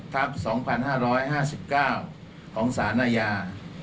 ออ๗๐๖ทัพ๒๕๕๙ของศาลนายา